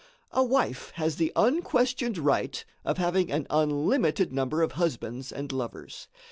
A wife has the unquestioned right of having an unlimited number of husbands and lovers.